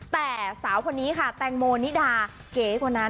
แต่สาวคนนี้ค่ะแตงโมนิดาเก๋กว่านั้น